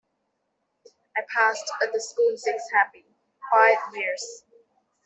I passed at the school six happy, quiet years.